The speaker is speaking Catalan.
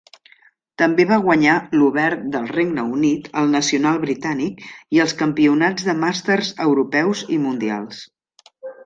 També va guanyar l'obert del Regne Unit, el nacional britànic i els campionats de màsters europeus i mundials.